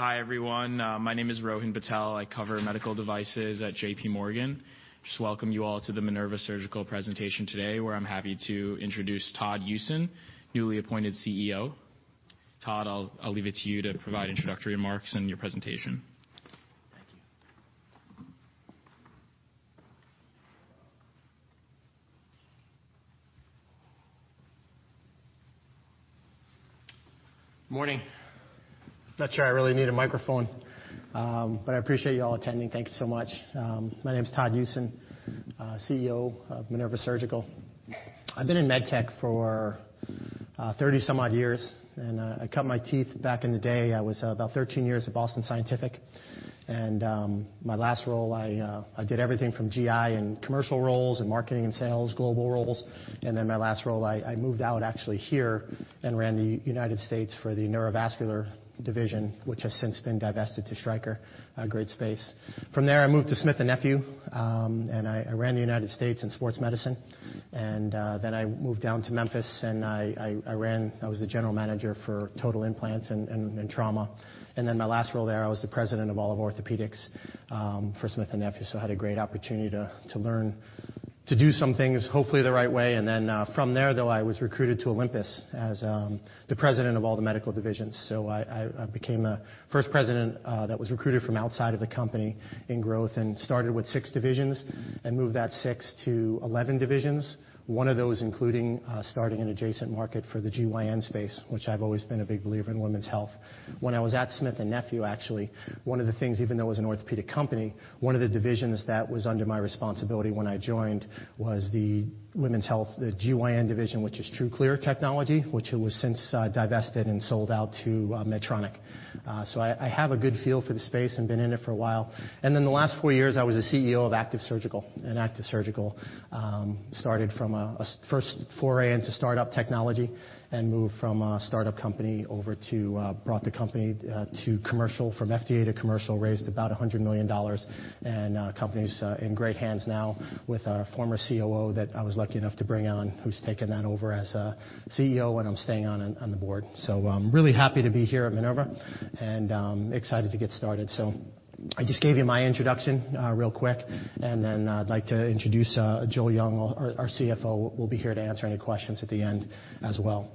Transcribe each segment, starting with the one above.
Hi, everyone. My name is Rohin Patel. I cover medical devices at J.P. Morgan. Just welcome you all to the Minerva Surgical presentation today, where I'm happy to introduce Todd Usen, newly appointed CEO. Todd, I'll leave it to you to provide introductory remarks and your presentation. Thank you. Morning. Not sure I really need a microphone, I appreciate you all attending. Thank you so much. My name is Todd Usen, CEO of Minerva Surgical. I've been in med tech for 30-some odd years, I cut my teeth back in the day. I was about 13 years at Boston Scientific. My last role, I did everything from GI and commercial roles and marketing and sales, global roles. My last role, I moved out actually here and ran the United States for the Neurovascular division, which has since been divested to Stryker, a great space. From there, I moved to Smith & Nephew, I ran the United States in sports medicine. I moved down to Memphis, I ran... I was the general manager for total implants and trauma. My last role there, I was the president of all of orthopedics for Smith & Nephew, so I had a great opportunity to learn to do some things hopefully the right way. From there, though, I was recruited to Olympus as the president of all the medical divisions. I became a first president that was recruited from outside of the company in growth and started with six divisions and moved that six to 11 divisions. One of those including starting an adjacent market for the GYN space, which I've always been a big believer in women's health. When I was at Smith & Nephew, actually, one of the things, even though it was an orthopedic company, one of the divisions that was under my responsibility when I joined was the women's health, the GYN division, which is TRUCLEAR technology, which it was since divested and sold out to Medtronic. I have a good feel for the space and been in it for a while. Then the last four years, I was the CEO of Activ Surgical. Activ Surgical started from a first foray into startup technology and moved from a startup company over to brought the company to commercial from FDA to commercial, raised about $100 million. Company's in great hands now with our former COO that I was lucky enough to bring on, who's taken that over as CEO, and I'm staying on the board. Really happy to be here at Minerva and excited to get started. I just gave you my introduction real quick, and then I'd like to introduce Joel Young, our CFO, will be here to answer any questions at the end as well.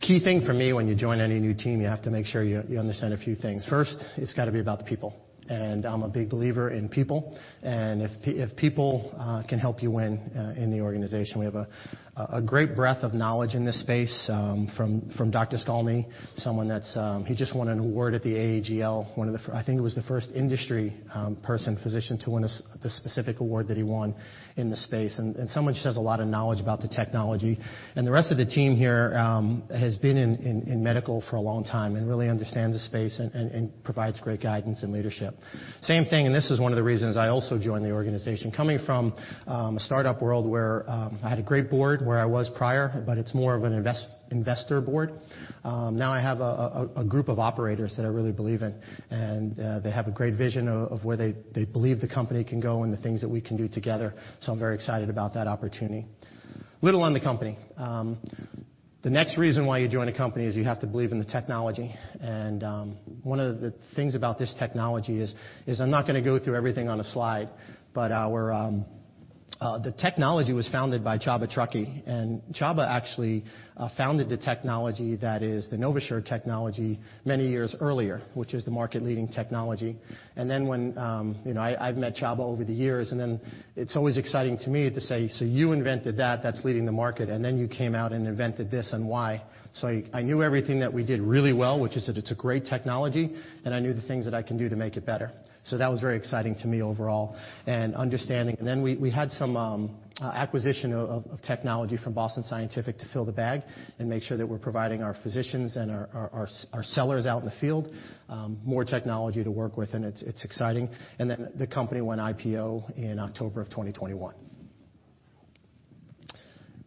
Key thing for me when you join any new team, you have to make sure you understand a few things. First, it's gotta be about the people. I'm a big believer in people, and if people can help you win in the organization. We have a great breadth of knowledge in this space from Dr. Skalnyi, someone that's just won an award at the AAGL, one of the I think it was the first industry person, physician to win a specific award that he won in the space, and someone who just has a lot of knowledge about the technology. The rest of the team here has been in medical for a long time and really understands the space and provides great guidance and leadership. Same thing. This is one of the reasons I also joined the organization. Coming from a startup world where I had a great board where I was prior, but it's more of an investor board. Now I have a group of operators that I really believe in, and they have a great vision of where they believe the company can go and the things that we can do together. I'm very excited about that opportunity. Little on the company. The next reason why you join a company is you have to believe in the technology. One of the things about this technology is I'm not gonna go through everything on a slide, but our. The technology was founded by Csaba Truckai. Csaba actually founded the technology that is the NovaSure technology many years earlier, which is the market-leading technology. When, You know, I've met Csaba over the years, it's always exciting to me to say, "You invented that's leading the market, you came out and invented this, and why?" I knew everything that we did really well, which is that it's a great technology, and I knew the things that I can do to make it better. That was very exciting to me overall and understanding. We had some acquisition of technology from Boston Scientific to fill the bag and make sure that we're providing our physicians and our sellers out in the field, more technology to work with, and it's exciting. The company went IPO in October of 2021.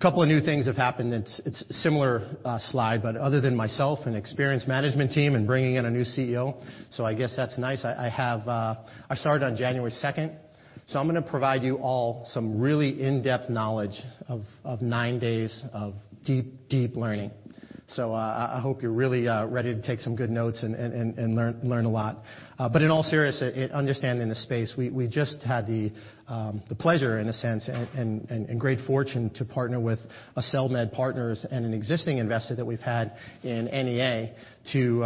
Couple of new things have happened. It's similar slide, but other than myself and experienced management team and bringing in a new CEO, so I guess that's nice. I have. I started on January second, so I'm gonna provide you all some really in-depth knowledge of nine days of deep, deep learning. I hope you're really ready to take some good notes and learn a lot. But in all seriousness, understanding the space, we just had the pleasure in a sense and great fortune to partner with Accelmed Partners and an existing investor that we've had in NEA.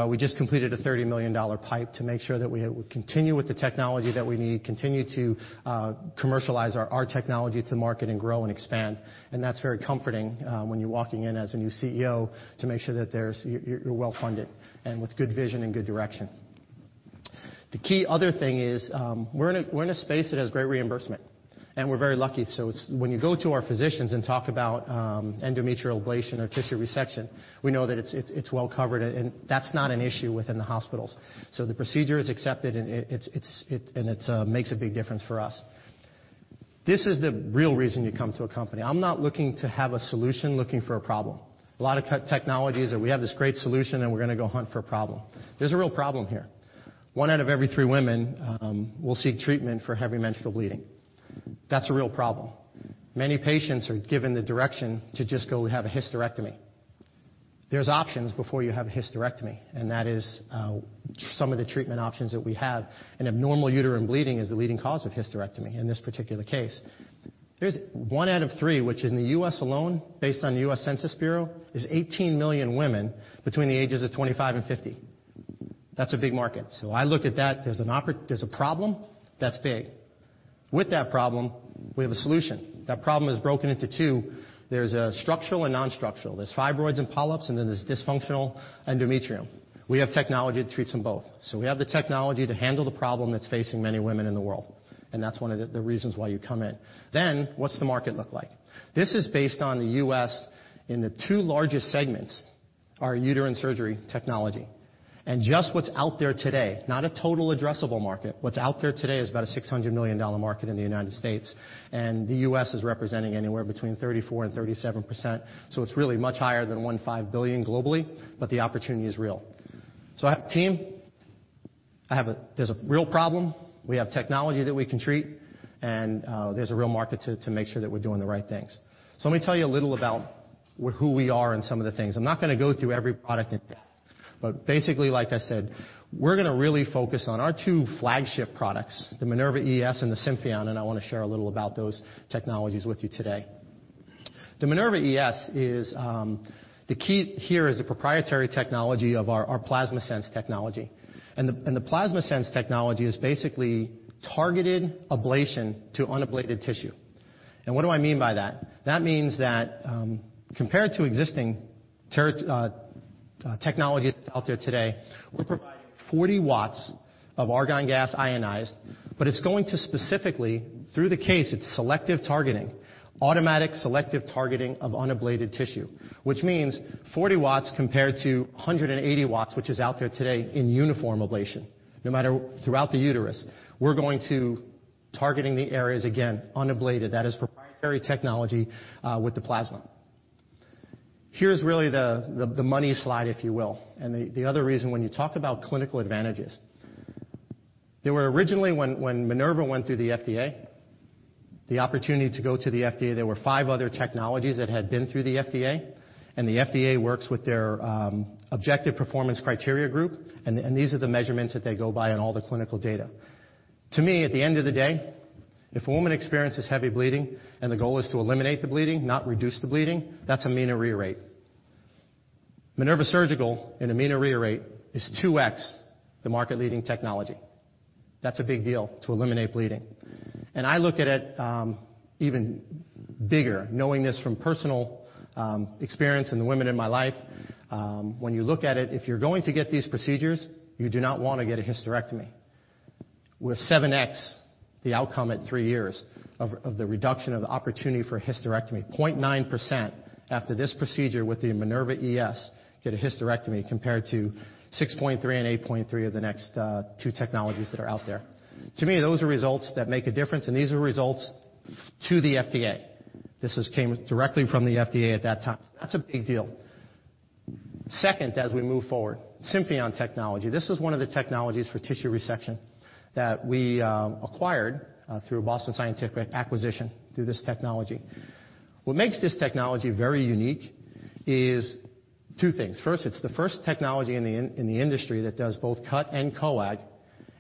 We just completed a $30 million PIPE to make sure that we continue with the technology that we need, continue to commercialize our technology to market and grow and expand. That's very comforting when you're walking in as a new CEO to make sure that there's you're well funded and with good vision and good direction. The key other thing is, we're in a space that has great reimbursement, and we're very lucky. It's when you go to our physicians and talk about endometrial ablation or tissue resection, we know that it's well covered and that's not an issue within the hospitals. The procedure is accepted, and it makes a big difference for us. This is the real reason you come to a company. I'm not looking to have a solution looking for a problem. A lot of technologies are, we have this great solution, and we're gonna go hunt for a problem. There's a real problem here. One out of every three women will seek treatment for heavy menstrual bleeding. That's a real problem. Many patients are given the direction to just go have a hysterectomy. There's options before you have a hysterectomy, and that is some of the treatment options that we have. An Abnormal Uterine Bleeding is the leading cause of hysterectomy in this particular case. There's one out of three, which in the U.S. alone, based on the U.S. Census Bureau, is 18 million women between the ages of 25 and 50. That's a big market. I look at that, there's a problem that's big. With that problem, we have a solution. That problem is broken into two. There's structural and non-structural. There's fibroids and polyps, and then there's dysfunctional endometrium. We have technology that treats them both. We have the technology to handle the problem that's facing many women in the world, and that's one of the reasons why you come in. What's the market look like? This is based on the U.S., in the two largest segments, are uterine surgery technology. Just what's out there today, not a total addressable market. What's out there today is about a $600 million market in the United States, and the U.S. is representing anywhere between 34% and 37%. It's really much higher than $1.5 billion globally, but the opportunity is real. I have a team. There's a real problem. We have technology that we can treat, and there's a real market to make sure that we're doing the right things. Let me tell you a little about who we are and some of the things. I'm not gonna go through every product that. Basically, like I said, we're gonna really focus on our two flagship products, the Minerva ES and the Symphion, and I wanna share a little about those technologies with you today. The Minerva ES is the key here is the proprietary technology of our PlasmaSense technology. The PlasmaSense technology is basically targeted ablation to unablated tissue. What do I mean by that? That means that, compared to existing technology out there today, we're providing 40 watts of argon gas ionized, but it's going to specifically, through the case, it's selective targeting. Automatic selective targeting of unablated tissue, which means 40 watts compared to 180 watts, which is out there today in uniform ablation, throughout the uterus. Targeting the areas, again, unablated. That is proprietary technology with the plasma. Here's really the money slide, if you will. The other reason when you talk about clinical advantages. They were originally when Minerva went through the FDA, the opportunity to go to the FDA, there were five other technologies that had been through the FDA. The FDA works with their objective performance criteria group, and these are the measurements that they go by in all the clinical data. To me, at the end of the day, if a woman experiences heavy bleeding and the goal is to eliminate the bleeding, not reduce the bleeding, that's amenorrhea rate. Minerva Surgical and amenorrhea rate is 2x, the market-leading technology. That's a big deal to eliminate bleeding. I look at it even bigger, knowing this from personal experience and the women in my life. When you look at it, if you're going to get these procedures, you do not wanna get a hysterectomy. With 7x, the outcome at three years of the reduction of the opportunity for a hysterectomy, 0.9% after this procedure with the Minerva ES, get a hysterectomy compared to 6.3 and 8.3 of the next two technologies that are out there. To me, those are results that make a difference. These are results to the FDA. This has came directly from the FDA at that time. That's a big deal. Second, as we move forward, Symphion technology. This is one of the technologies for tissue resection that we acquired through Boston Scientific acquisition through this technology. What makes this technology very unique is two things. First, it's the first technology in the industry that does both cut and coag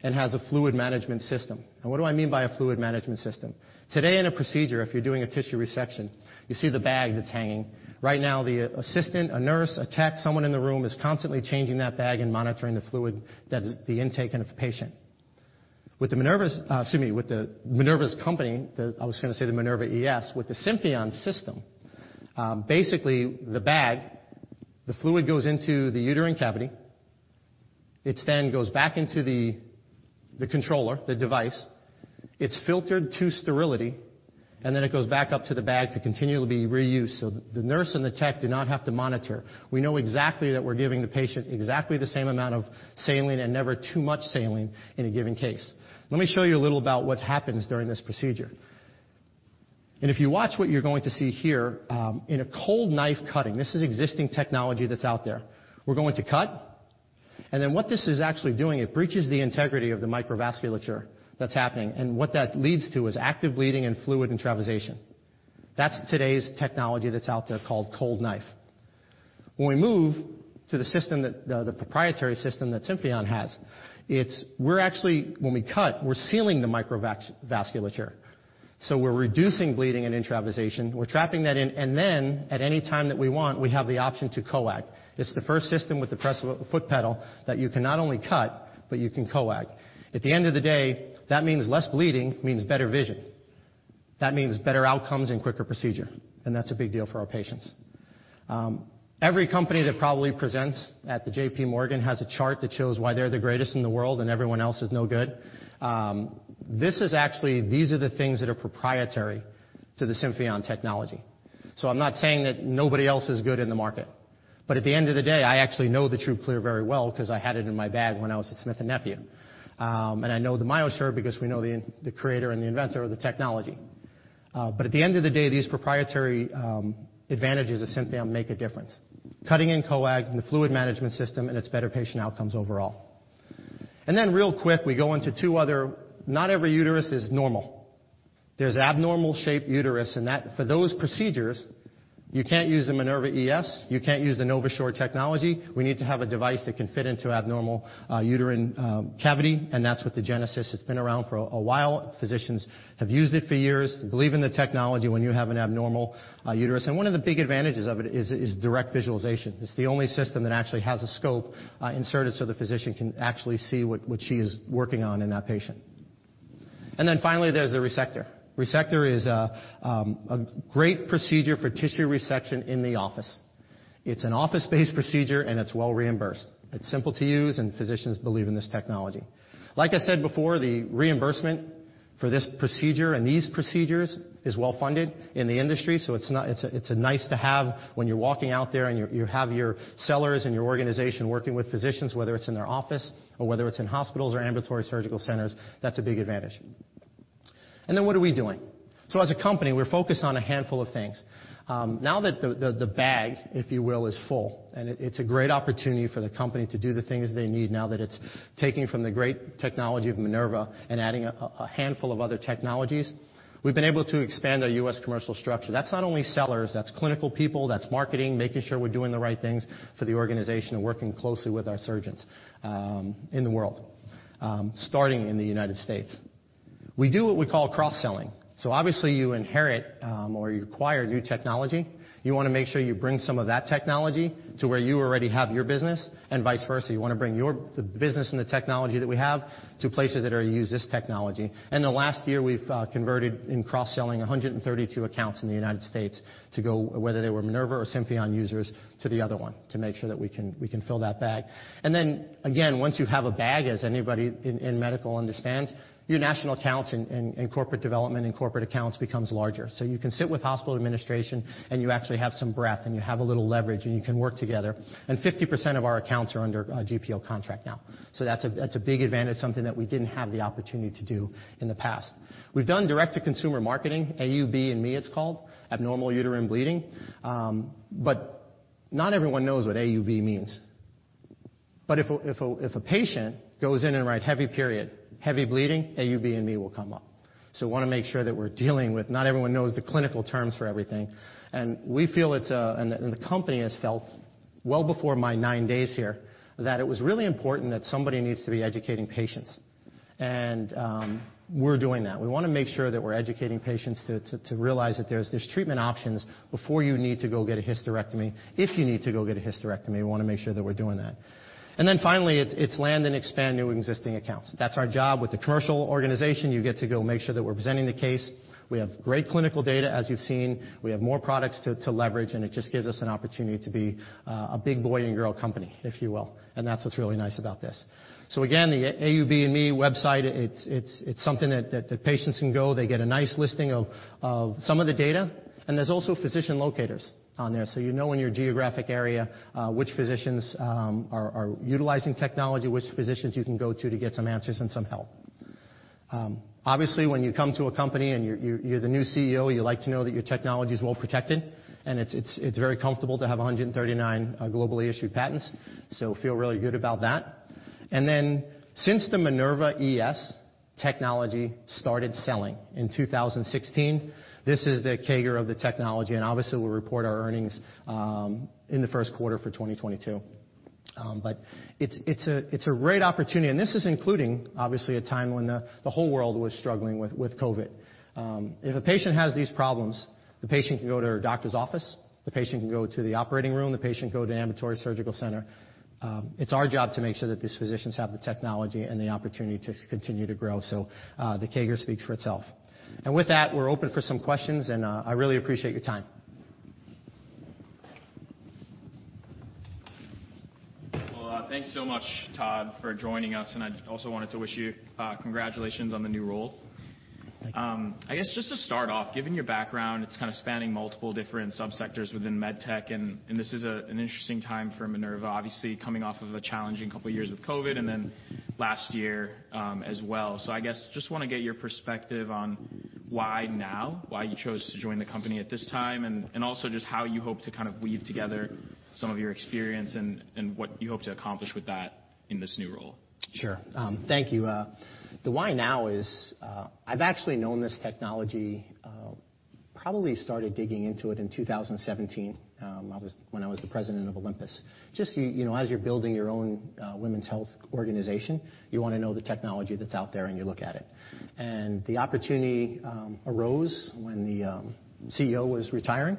and has a fluid management system. What do I mean by a fluid management system? Today, in a procedure, if you're doing a tissue resection, you see the bag that's hanging. Right now, the assistant, a nurse, a tech, someone in the room is constantly changing that bag and monitoring the fluid that is the intake into the patient. With the Minerva's, excuse me, with the Minerva's company, I was gonna say the Minerva ES. With the Symphion system, basically the bag, the fluid goes into the uterine cavity. It's then goes back into the controller, the device. It's filtered to sterility, and then it goes back up to the bag to continually be reused. The nurse and the tech do not have to monitor. We know exactly that we're giving the patient exactly the same amount of saline and never too much saline in a given case. Let me show you a little about what happens during this procedure. If you watch what you're going to see here, in a cold knife cutting, this is existing technology that's out there. We're going to cut, and then what this is actually doing, it breaches the integrity of the microvasculature that's happening, and what that leads to is active bleeding and fluid intravasation. That's today's technology that's out there called cold knife. When we move to the system that the proprietary system that Symphion has, we're actually when we cut, we're sealing the microvasculature. We're reducing bleeding and intravasation. We're trapping that in, and then at any time that we want, we have the option to coag. It's the first system with the press foot pedal that you can not only cut, but you can coag. At the end of the day, that means less bleeding, means better vision. That means better outcomes and quicker procedure, that's a big deal for our patients. Every company that probably presents at the J.P. Morgan has a chart that shows why they're the greatest in the world and everyone else is no good. These are the things that are proprietary to the Symphion technology. I'm not saying that nobody else is good in the market, but at the end of the day, I actually know the TRUCLEAR very well 'cause I had it in my bag when I was at Smith & Nephew. I know the MyoSure because we know the creator and the inventor of the technology. At the end of the day, these proprietary advantages of Symphion make a difference. Cutting and coag and the fluid management system and its better patient outcomes overall. Real quick, we go into two other. Not every uterus is normal. There's abnormal shaped uterus for those procedures, you can't use the Minerva ES, you can't use the NovaSure technology. We need to have a device that can fit into abnormal uterine cavity, and that's what the Genesys has been around for a while. Physicians have used it for years, believe in the technology when you have an abnormal uterus. One of the big advantages of it is direct visualization. It's the only system that actually has a scope inserted so the physician can actually see what she is working on in that patient. Finally, there's the Resectr. Resectr is a great procedure for tissue resection in the office. It's an office-based procedure, and it's well reimbursed. It's simple to use, and physicians believe in this technology. Like I said before, the reimbursement for this procedure and these procedures is well-funded in the industry, so it's not, it's a nice to have when you're walking out there and you have your sellers and your organization working with physicians, whether it's in their office or whether it's in hospitals or ambulatory surgical centers. That's a big advantage. What are we doing? As a company, we're focused on a handful of things. Now that the bag, if you will, is full and it's a great opportunity for the company to do the things they need now that it's taking from the great technology of Minerva and adding a handful of other technologies, we've been able to expand our U.S. commercial structure. That's not only sellers, that's clinical people, that's marketing, making sure we're doing the right things for the organization and working closely with our surgeons in the world, starting in the United States. We do what we call cross-selling. Obviously you inherit or you acquire new technology. You wanna make sure you bring some of that technology to where you already have your business. Vice versa, you wanna bring the business and the technology that we have to places that already use this technology. In the last year, we've converted in cross-selling 132 accounts in the United States to go, whether they were Minerva or Symphion users, to the other one to make sure that we can fill that bag. Once you have a bag, as anybody in medical understands, your national accounts and corporate development and corporate accounts becomes larger. You can sit with hospital administration, you actually have some breadth, you have a little leverage, and you can work together. 50% of our accounts are under a GPO contract now. That's a big advantage, something that we didn't have the opportunity to do in the past. We've done direct-to-consumer marketing, AUB and Me it's called, abnormal uterine bleeding. Not everyone knows what AUB means. If a patient goes in and write heavy period, heavy bleeding, AUB and Me will come up. Not everyone knows the clinical terms for everything. The company has felt well before my nine days here, that it was really important that somebody needs to be educating patients. We're doing that. We wanna make sure that we're educating patients to realize that there's treatment options before you need to go get a hysterectomy. If you need to go get a hysterectomy, we wanna make sure that we're doing that. Finally, it's land and expand new and existing accounts. That's our job. With the commercial organization, you get to go make sure that we're presenting the case. We have great clinical data as you've seen. We have more products to leverage, and it just gives us an opportunity to be a big boy and girl company, if you will, and that's what's really nice about this. Again, the AUB and Me website, it's something that patients can go. They get a nice listing of some of the data. There's also physician locators on there so you know in your geographic area, which physicians are utilizing technology, which physicians you can go to to get some answers and some help. Obviously, when you come to a company and you're the new CEO, you like to know that your technology is well-protected, and it's very comfortable to have 139 globally issued patents. Feel really good about that. Since the Minerva ES technology started selling in 2016, this is the CAGR of the technology, and obviously we'll report our earnings in the first quarter for 2022. It's, it's a, it's a great opportunity, and this is including obviously a time when the whole world was struggling with COVID. If a patient has these problems, the patient can go to her doctor's office, the patient can go to the operating room, the patient can go to ambulatory surgical center. It's our job to make sure that these physicians have the technology and the opportunity to continue to grow. The CAGR speaks for itself. With that, we're open for some questions, and I really appreciate your time. Well, thanks so much, Todd, for joining us, and I also wanted to wish you, congratulations on the new role. Thank you. I guess just to start off, given your background, it's kind of spanning multiple different sub-sectors within med tech and this is an interesting time for Minerva, obviously coming off of a challenging couple of years with COVID and then last year as well. I guess, just wanna get your perspective on why now, why you chose to join the company at this time, and also just how you hope to kind of weave together some of your experience and what you hope to accomplish with that in this new role? Sure. Thank you. The why now is, I've actually known this technology, probably started digging into it in 2017, when I was the president of Olympus. Just, you know, as you're building your own women's health organization, you wanna know the technology that's out there, and you look at it. The opportunity arose when the CEO was retiring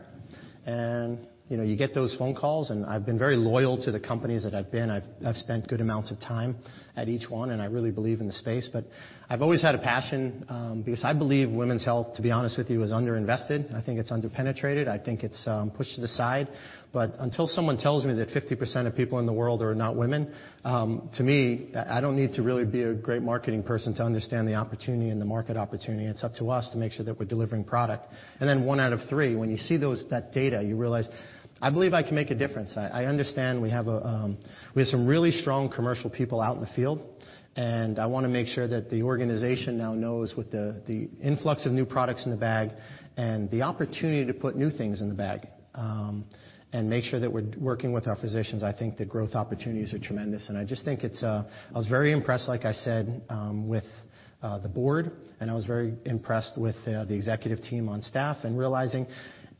and, you know, you get those phone calls, and I've been very loyal to the companies that I've been. I've spent good amounts of time at each one, and I really believe in the space, but I've always had a passion, because I believe women's health, to be honest with you, is underinvested. I think it's under penetrated. I think it's pushed to the side. Until someone tells me that 50% of people in the world are not women, to me, I don't need to really be a great marketing person to understand the opportunity and the market opportunity. It's up to us to make sure that we're delivering product. Then one out of three, when you see that data, you realize I believe I can make a difference. I understand we have some really strong commercial people out in the field, and I wanna make sure that the organization now knows with the influx of new products in the bag and the opportunity to put new things in the bag, and make sure that we're working with our physicians. I think the growth opportunities are tremendous, and I just think it's. I was very impressed, like I said, with the board, and I was very impressed with the executive team on staff and realizing.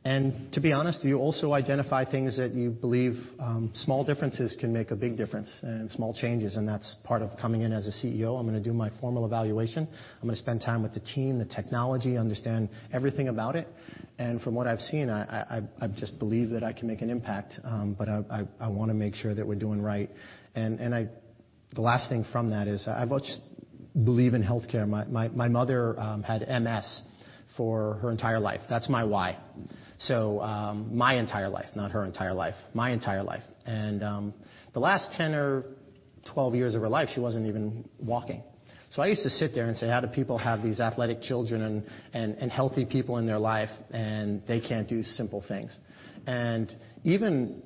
To be honest, you also identify things that you believe small differences can make a big difference and small changes, and that's part of coming in as a CEO. I'm gonna do my formal evaluation. I'm gonna spend time with the team, the technology, understand everything about it. From what I've seen, I just believe that I can make an impact. But I wanna make sure that we're doing right. The last thing from that is I just believe in healthcare. My mother had MS for her entire life. That's my why. My entire life, not her entire life, my entire life. The last 10 or 12 years of her life, she wasn't even walking. I used to sit there and say, "How do people have these athletic children and healthy people in their life, and they can't do simple things?" Even.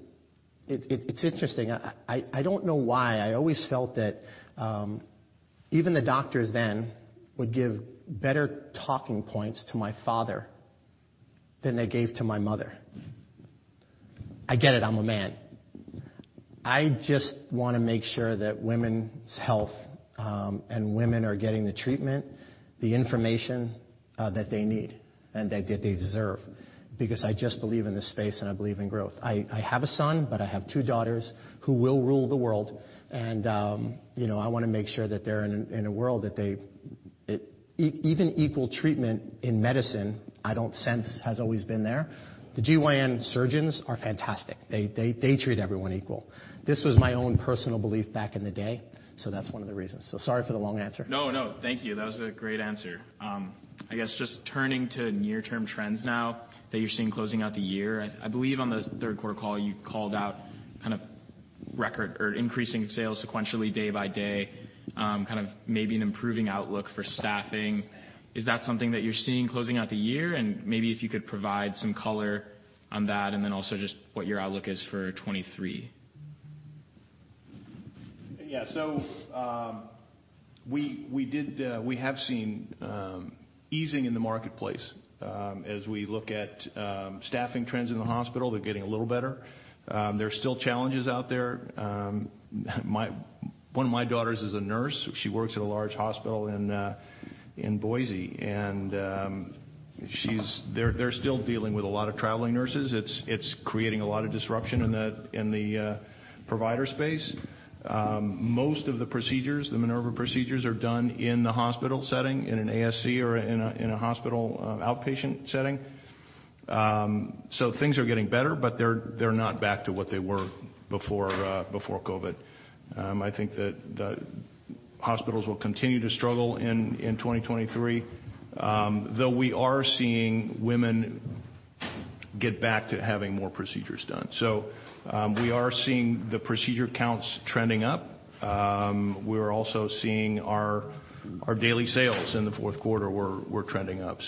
It's interesting. I don't know why I always felt that even the doctors then would give better talking points to my father than they gave to my mother. I get it. I'm a man. I just wanna make sure that women's health and women are getting the treatment, the information that they need and that they deserve, because I just believe in this space, and I believe in growth. I have a son, but I have two daughters who will rule the world, and, you know, I wanna make sure that they're in a world that they even equal treatment in medicine, I don't sense has always been there. The GYN surgeons are fantastic. They treat everyone equal. This was my own personal belief back in the day, so that's one of the reasons. Sorry for the long answer. No, no, thank you. That was a great answer. I guess just turning to near-term trends now that you're seeing closing out the year. I believe on the third quarter call, you called out kind of record or increasing sales sequentially day by day, kind of maybe an improving outlook for staffing. Is that something that you're seeing closing out the year? Maybe if you could provide some color on that, and then also just what your outlook is for 2023. Yeah. We have seen easing in the marketplace. As we look at staffing trends in the hospital, they're getting a little better. There are still challenges out there. One of my daughters is a nurse. She works at a large hospital in Boise. They're still dealing with a lot of traveling nurses. It's creating a lot of disruption in the provider space. Most of the procedures, the Minerva procedures, are done in the hospital setting, in an ASC or in a hospital outpatient setting. Things are getting better, but they're not back to what they were before COVID. I think that the hospitals will continue to struggle in 2023, though we are seeing women get back to having more procedures done. We are seeing the procedure counts trending up. We're also seeing our daily sales in the fourth quarter trending up.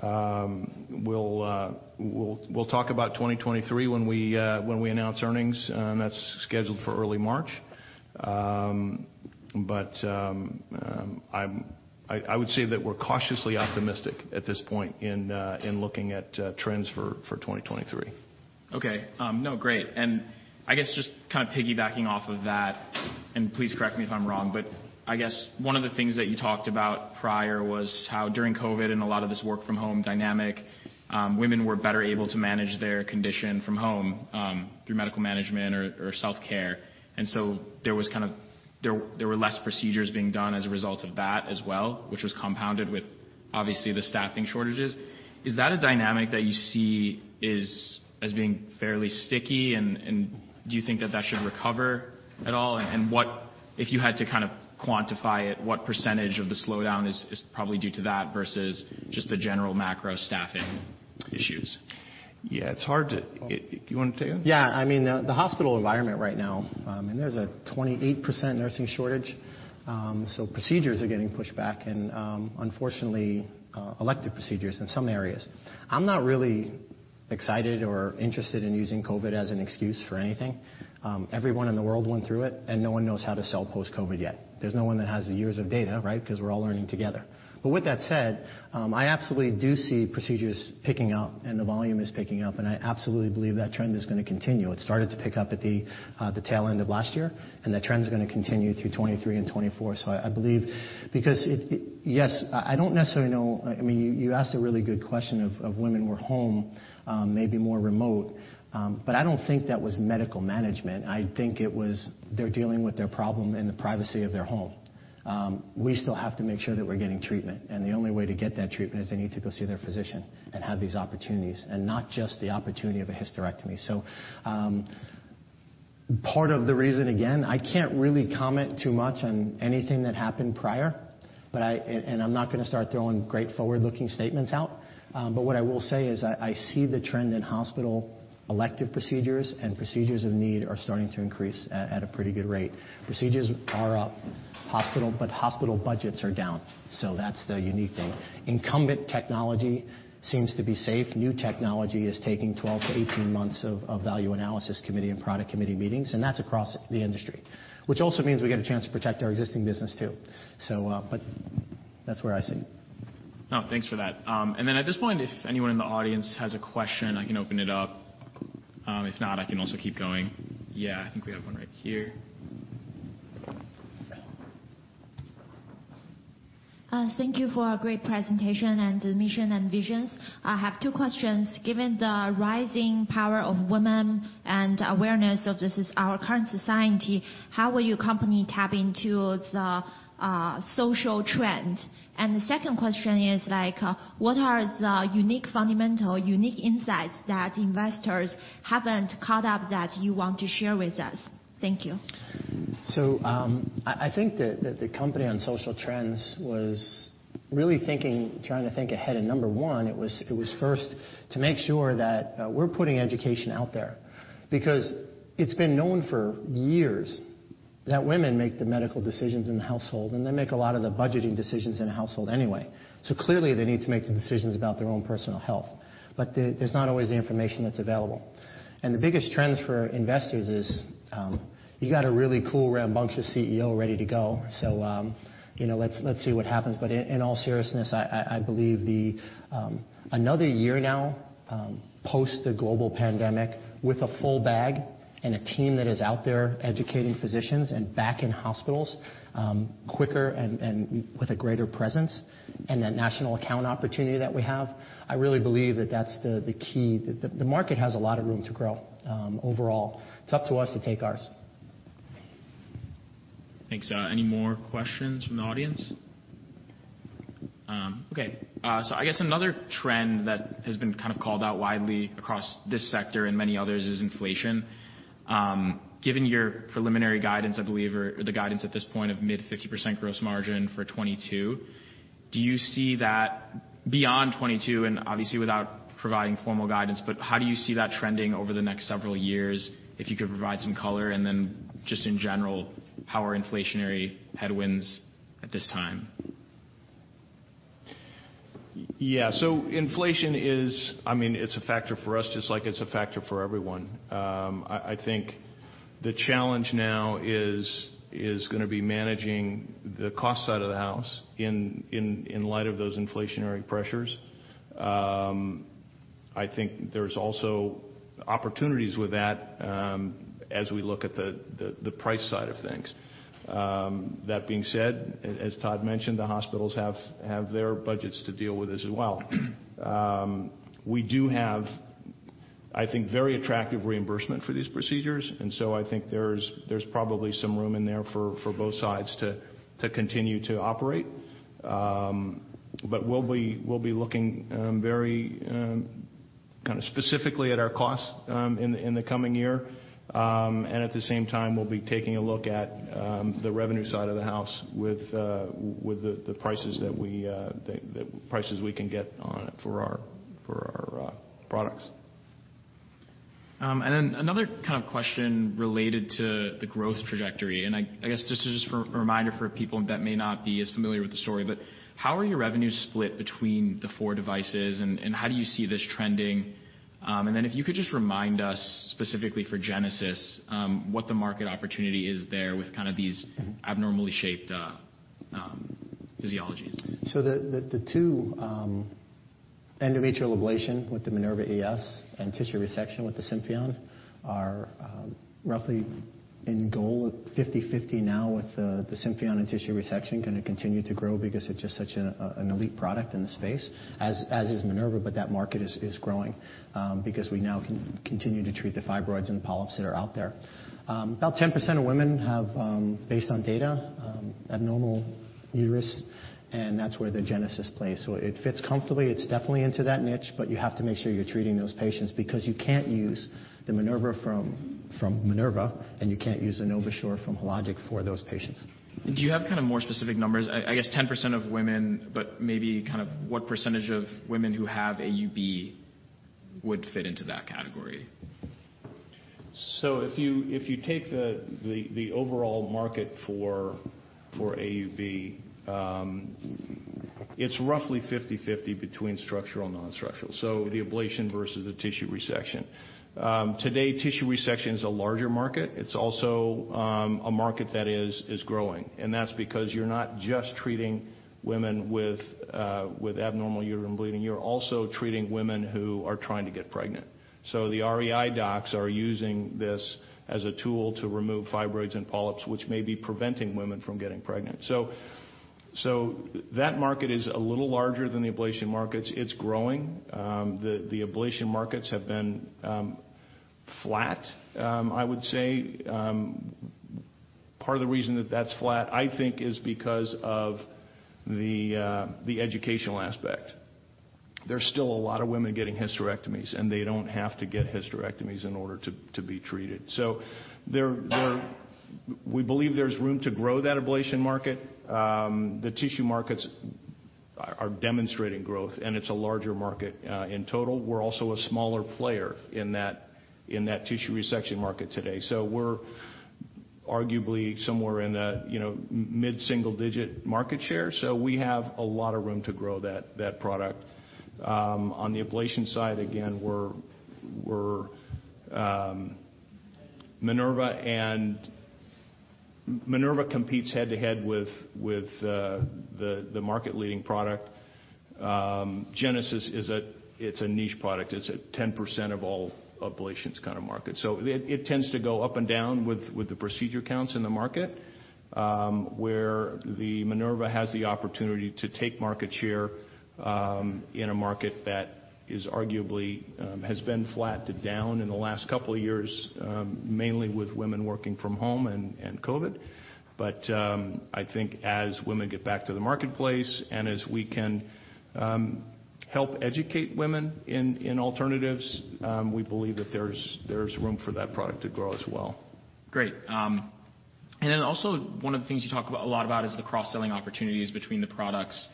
We'll talk about 2023 when we announce earnings, that's scheduled for early March. I would say that we're cautiously optimistic at this point in looking at trends for 2023. No, great. I guess just kind of piggybacking off of that, and please correct me if I'm wrong, but I guess one of the things that you talked about prior was how during COVID and a lot of this work from home dynamic, women were better able to manage their condition from home, through medical management or self-care. There were less procedures being done as a result of that as well, which was compounded with, obviously, the staffing shortages. Is that a dynamic that you see as being fairly sticky, and do you think that that should recover at all? What if you had to kind of quantify it, what percentage of the slowdown is probably due to that versus just the general macro staffing issues? Yeah. Todd. You wanna take it? I mean, the hospital environment right now, there's a 28% nursing shortage, so procedures are getting pushed back and, unfortunately, elective procedures in some areas. I'm not really excited or interested in using COVID as an excuse for anything. Everyone in the world went through it, no one knows how to sell post-COVID yet. There's no one that has the years of data, right? Because we're all learning together. With that said, I absolutely do see procedures picking up and the volume is picking up, and I absolutely believe that trend is gonna continue. It started to pick up at the tail end of last year, the trend is gonna continue through 2023 and 2024. I believe. Yes, I don't necessarily know... I mean, you asked a really good question of women were home, maybe more remote. I don't think that was medical management. I think it was they're dealing with their problem in the privacy of their home. We still have to make sure that we're getting treatment, the only way to get that treatment is they need to go see their physician and have these opportunities, and not just the opportunity of a hysterectomy. Part of the reason, again, I can't really comment too much on anything that happened prior, I'm not gonna start throwing great forward-looking statements out. What I will say is I see the trend in hospital elective procedures and procedures of need are starting to increase at a pretty good rate. Procedures are up, hospital budgets are down. That's the unique thing. Incumbent technology seems to be safe. New technology is taking 12 to 18 months of value analysis committee and product committee meetings. That's across the industry, which also means we get a chance to protect our existing business too. That's where I see. No, thanks for that. At this point, if anyone in the audience has a question, I can open it up. If not, I can also keep going. Yeah, I think we have one right here. Thank you for a great presentation and mission and visions. I have two questions. Given the rising power of women and awareness of this is our current society, how will your company tap into the social trend? The second question is, what are the unique fundamental, unique insights that investors haven't caught up that you want to share with us? Thank you. I think that the company on social trends was really trying to think ahead. Number one, it was first to make sure that we're putting education out there because it's been known for years that women make the medical decisions in the household, and they make a lot of the budgeting decisions in the household anyway. Clearly they need to make the decisions about their own personal health, but there's not always the information that's available. The biggest trends for investors is, you got a really cool, rambunctious CEO ready to go. You know, let's see what happens. In all seriousness, I believe the. another year now, post the global pandemic with a full bag and a team that is out there educating physicians and back in hospitals, quicker and with a greater presence and that national account opportunity that we have, I really believe that that's the key. The market has a lot of room to grow, overall. It's up to us to take ours. Thanks. Any more questions from the audience? Okay. I guess another trend that has been kind of called out widely across this sector and many others is inflation. Given your preliminary guidance, I believe, the guidance at this point of mid-50% gross margin for 2022, do you see that beyond 2022? Obviously without providing formal guidance, how do you see that trending over the next several years? If you could provide some color then just in general, how are inflationary headwinds at this time? Yeah. Inflation is, I mean, it's a factor for us just like it's a factor for everyone. I think the challenge now is gonna be managing the cost side of the house in light of those inflationary pressures. I think there's also opportunities with that, as we look at the price side of things. That being said, as Todd mentioned, the hospitals have their budgets to deal with as well. We do have, I think, very attractive reimbursement for these procedures, I think there's probably some room in there for both sides to continue to operate. We'll be looking very kind of specifically at our costs in the coming year. At the same time we'll be taking a look at the revenue side of the house with the prices that we, the prices we can get on it for our, for our products. Then another kind of question related to the growth trajectory. I guess this is just for a reminder for people that may not be as familiar with the story. How are your revenues split between the four devices and how do you see this trending? Then if you could just remind us specifically for Genesys, what the market opportunity is there with kind of these. Mm-hmm. abnormally shaped, physiologies. The two endometrial ablation with the Minerva ES and tissue resection with the Symphion are roughly in goal at 50/50 now with the Symphion and tissue resection gonna continue to grow because it's just such an elite product in the space as is Minerva. That market is growing because we now continue to treat the fibroids and polyps that are out there. About 10% of women have, based on data, abnormal uterus, and that's where the Genesys plays. It fits comfortably. It's definitely into that niche, but you have to make sure you're treating those patients because you can't use the Minerva from Minerva, and you can't use a NovaSure from Hologic for those patients. Do you have kind of more specific numbers? I guess 10% of women, but maybe kind of what % of women who have AUB would fit into that category? If you take the overall market for AUB, it's roughly 50/50 between structural and non-structural, so the ablation versus the tissue resection. Today tissue resection is a larger market. It's also a market that is growing, and that's because you're not just treating women with abnormal uterine bleeding. You're also treating women who are trying to get pregnant. The REI docs are using this as a tool to remove fibroids and polyps, which may be preventing women from getting pregnant. That market is a little larger than the ablation markets. It's growing. The ablation markets have been flat, I would say. Part of the reason that that's flat, I think is because of the educational aspect. There's still a lot of women getting hysterectomies, and they don't have to get hysterectomies in order to be treated. We believe there's room to grow that ablation market. The tissue markets are demonstrating growth, and it's a larger market in total. We're also a smaller player in that tissue resection market today. We're arguably somewhere in the, you know, mid single digit market share. We have a lot of room to grow that product. On the ablation side, again, we're Minerva competes head to head with the market leading product. Genesys, it's a niche product. It's a 10% of all ablations kind of market. It tends to go up and down with the procedure counts in the market, where Minerva has the opportunity to take market share in a market that is arguably has been flat to down in the last couple of years, mainly with women working from home and COVID. I think as women get back to the marketplace and as we can help educate women in alternatives, we believe that there's room for that product to grow as well. Great. Then also one of the things you talk about, a lot about is the cross-selling opportunities between the products.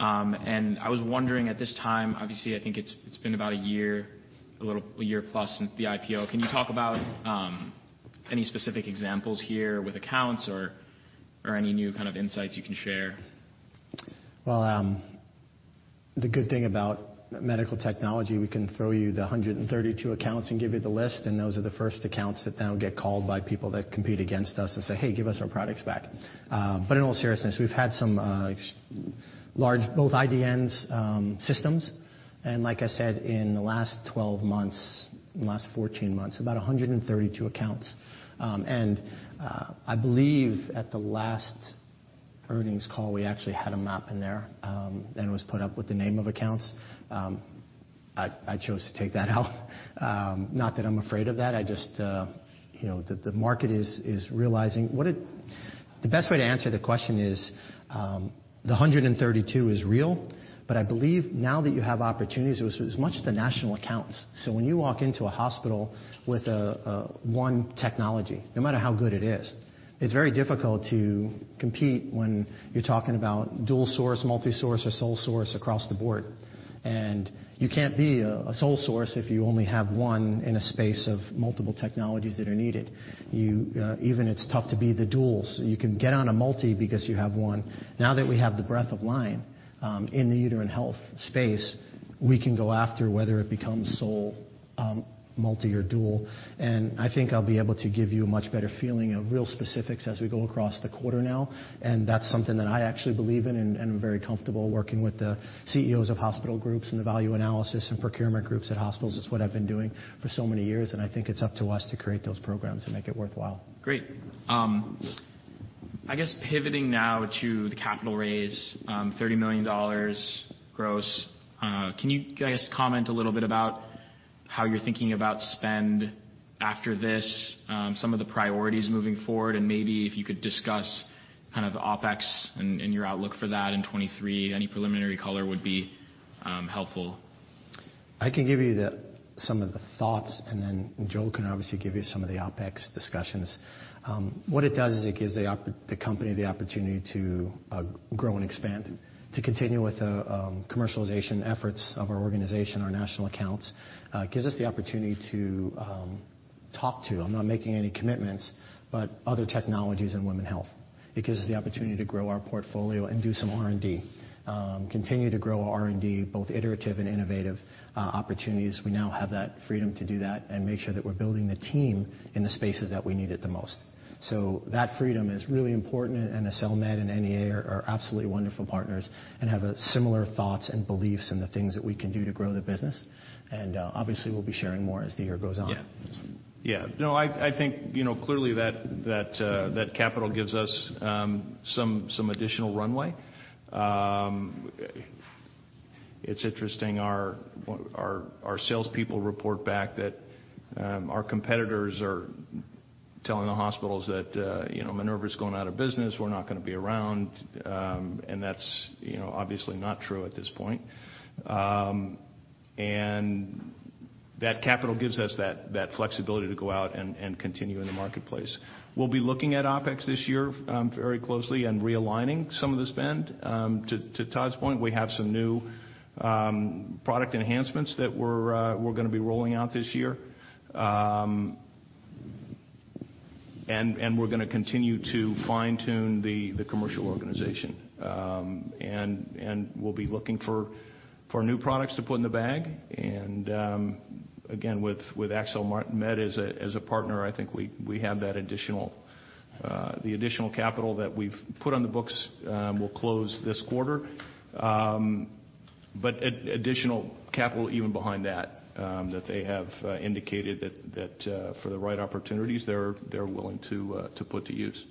I was wondering at this time, obviously I think it's been about a year plus since the IPO. Can you talk about any specific examples here with accounts or any new kind of insights you can share? Well, the good thing about medical technology, we can throw you the 132 accounts and give you the list. Those are the first accounts that then will get called by people that compete against us and say, "Hey, give us our products back." In all seriousness, we've had some large both IDNs, systems. Like I said, in the last 12 months, last 14 months, about 132 accounts. I believe at the last earnings call, we actually had a map in there. It was put up with the name of accounts. I chose to take that out. Not that I'm afraid of that. I just, you know, the market is realizing what it... The best way to answer the question is, the 132 is real. I believe now that you have opportunities, it was as much the national accounts. When you walk into a hospital with a one technology, no matter how good it is, it's very difficult to compete when you're talking about dual source, multi-source, or sole source across the board. You can't be a sole source if you only have one in a space of multiple technologies that are needed. You, even it's tough to be the duals. You can get on a multi because you have one. Now that we have the breadth of line, in the uterine health space, we can go after whether it becomes sole, multi or dual. I think I'll be able to give you a much better feeling of real specifics as we go across the quarter now. That's something that I actually believe in and I'm very comfortable working with the CEOs of hospital groups and the value analysis and procurement groups at hospitals. It's what I've been doing for so many years, and I think it's up to us to create those programs and make it worthwhile. Great. I guess pivoting now to the capital raise, $30 million gross. Can you, I guess, comment a little bit about how you're thinking about spend after this, some of the priorities moving forward and maybe if you could discuss kind of the OpEx and your outlook for that in 2023. Any preliminary color would be helpful. I can give you the, some of the thoughts. Joel can obviously give you some of the OpEx discussions. What it does is it gives the company the opportunity to grow and expand, to continue with commercialization efforts of our organization, our national accounts. It gives us the opportunity to talk to, I'm not making any commitments, other technologies in women health. It gives the opportunity to grow our portfolio and do some R&D. Continue to grow our R&D, both iterative and innovative opportunities. We now have that freedom to do that and make sure that we're building the team in the spaces that we need it the most. That freedom is really important, and Accelmed and NEA are absolutely wonderful partners and have similar thoughts and beliefs in the things that we can do to grow the business. Obviously, we'll be sharing more as the year goes on. Yeah. Yeah. No, I think, you know, clearly that capital gives us some additional runway. It's interesting our salespeople report back that our competitors are telling the hospitals that, you know, Minerva's going out of business, we're not gonna be around, and that's, you know, obviously not true at this point. That capital gives us that flexibility to go out and continue in the marketplace. We'll be looking at OpEx this year very closely and realigning some of the spend. To Todd's point, we have some new product enhancements that we're gonna be rolling out this year. We're gonna continue to fine-tune the commercial organization. We'll be looking for new products to put in the bag. Again, with Accelmed as a partner, I think we have that additional capital that we've put on the books will close this quarter. Additional capital even behind that they have indicated that for the right opportunities they're willing to put to use.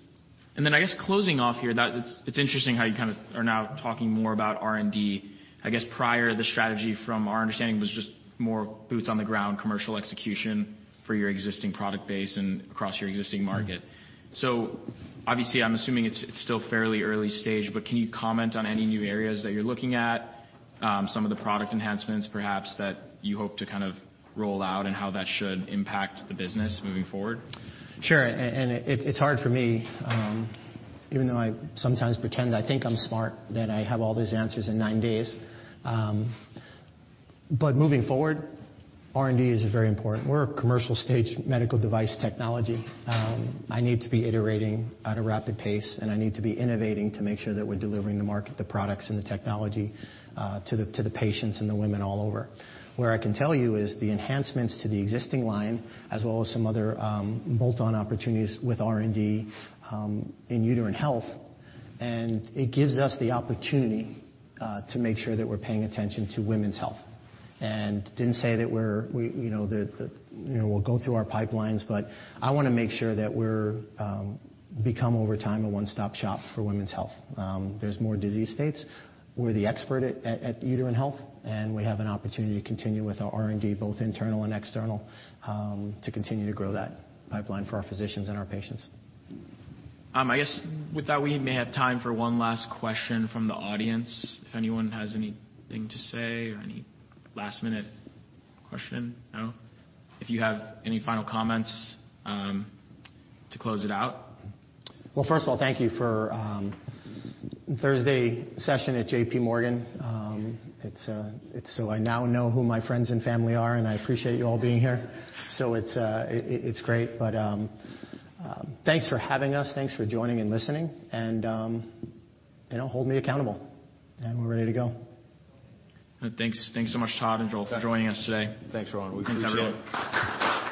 I guess closing off here, that it's interesting how you kind of are now talking more about R&D. I guess prior the strategy from our understanding was just more boots on the ground commercial execution for your existing product base and across your existing market. Mm-hmm. Obviously, I'm assuming it's still fairly early stage, but can you comment on any new areas that you're looking at, some of the product enhancements perhaps that you hope to kind of roll out and how that should impact the business moving forward? Sure. It's hard for me, even though I sometimes pretend I think I'm smart, that I have all these answers in nine days. Moving forward, R&D is very important. We're a commercial stage medical device technology. I need to be iterating at a rapid pace, and I need to be innovating to make sure that we're delivering the market, the products, and the technology to the patients and the women all over. Where I can tell you is the enhancements to the existing line as well as some other bolt-on opportunities with R&D in uterine health. It gives us the opportunity to make sure that we're paying attention to women's health. Didn't say that we're, you know, that, you know, we'll go through our pipelines, but I wanna make sure that we're become over time a one-stop shop for women's health. There's more disease states. We're the expert at uterine health, and we have an opportunity to continue with our R&D, both internal and external, to continue to grow that pipeline for our physicians and our patients. I guess with that, we may have time for one last question from the audience, if anyone has anything to say or any last-minute question. No. If you have any final comments to close it out. Well, first of all, thank you for Thursday session at JPMorgan. It's so I now know who my friends and family are, and I appreciate you all being here. It's great. Thanks for having us. Thanks for joining and listening and, you know, hold me accountable, and we're ready to go. Thanks. Thanks so much, Todd and Joel. Thanks. for joining us today. Thanks, Rohin. We appreciate it. Thanks, everyone.